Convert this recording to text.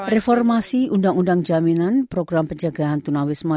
reformasi undang undang jaminan program penjagaan tunawisma